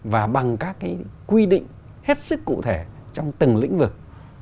và bằng các cái quy định hết sức cụ thể trong từng lĩnh vực